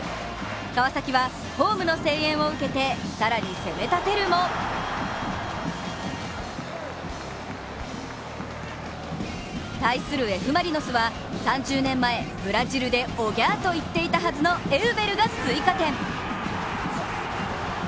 川崎は、ホームの声援を受けて更に攻めたてるも対するＦ・マリノスは、３０年前、ブラジルでオギャーと言っていたはずのエウベルが追加点。